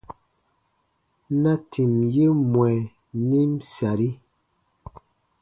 Na tìm ye mwɛ nim sari :